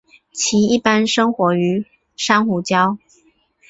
其一般生活于珊瑚礁。